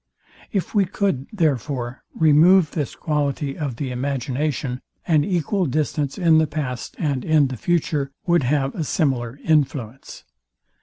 If we could, therefore, remove this quality of the imagination, an equal distance in the past and in the future, would have a similar influence.